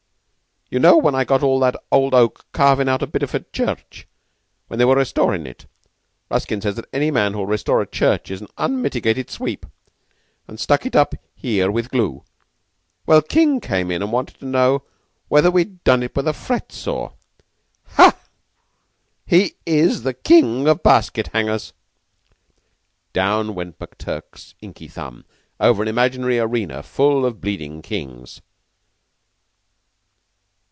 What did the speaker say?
You know when I got all that old oak carvin' out of Bideford Church, when they were restoring it (Ruskin says that any man who'll restore a church is an unmitigated sweep), and stuck it up here with glue? Well, King came in and wanted to know whether we'd done it with a fret saw! Yah! He is the King of basket hangers!" Down went McTurk's inky thumb over an imaginary arena full of bleeding Kings.